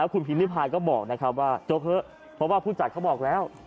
คุณพิมพิพายก็บอกนะครับว่าจบเถอะเพราะว่าผู้จัดเขาบอกแล้ว